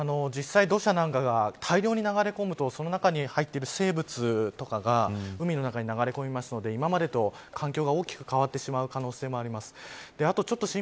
実際、土砂なんかが大量に流れ込むとその中に入っている生物とかが海の中に流れ込むので今までと環境が大きく変わってしまう可能性があります。